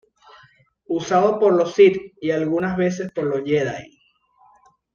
Usado por los "Sith" y algunas veces por los "Jedi".